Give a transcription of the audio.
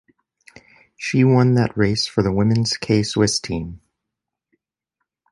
She won that race for women's K-Swiss team.